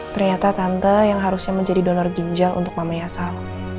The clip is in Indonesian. ternyata tante yang harusnya menjadi donor ginjal untuk mamayasal